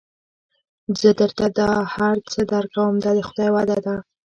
زه درته دا هر څه درکوم دا د خدای وعده ده.